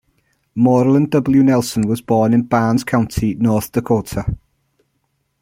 Morlan W. Nelson was born in Barnes County, North Dakota.